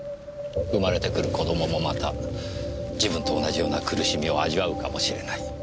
生まれてくる子供もまた自分と同じような苦しみを味わうかもしれない。